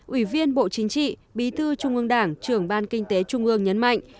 ủy viên bộ chính trị bí thư trung ương đảng trưởng ban kinh tế trung ương nhấn mạnh